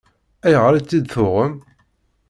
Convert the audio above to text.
Ayɣer i tt-id-tuɣem?